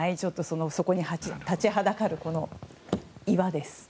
そこに立ちはだかるこの岩です。